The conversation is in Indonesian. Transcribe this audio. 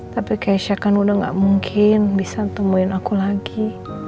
tapi keisha kan udah gak mungkin bisa temuin aku lagi